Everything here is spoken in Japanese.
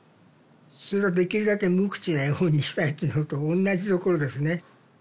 それはできるだけ無口な絵本にしたいっていうのとおんなじところですね。